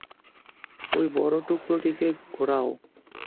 ঐ বড় টুকরোটিকে ঘোরাও।